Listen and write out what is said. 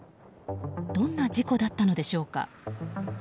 どんな事故だったのでしょうか。